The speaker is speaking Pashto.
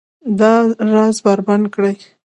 دا راز بربنډ کړي